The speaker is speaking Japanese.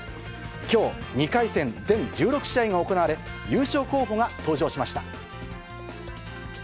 きょう、２回戦全１６試合が行われ、優勝候補が登場しました。